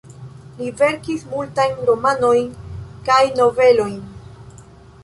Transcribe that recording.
Li verkis multajn romanojn kaj novelojn.